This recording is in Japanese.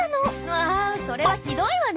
わそれはひどいわね。